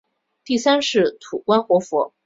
第三世土观活佛。